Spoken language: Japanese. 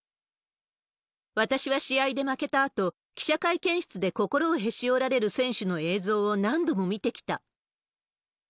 私は試合で負けたあと、記者会見室で心をへし折られる選手の映像を何度も見てきた。